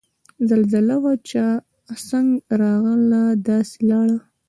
زلزله وه چه څنګ راغله داسے لاړه